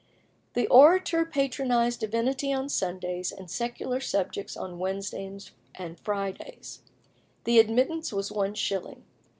The Orator patronised divinity on Sundays, and secular subjects on Wednesdays and Fridays. The admittance was one shilling.